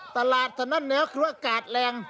ตลาดสนั่นแนวคือว่ากาดแรง